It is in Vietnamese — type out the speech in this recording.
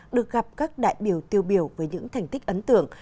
được gặp các đại biểu tiêu biểu với những thành tích ấn tượng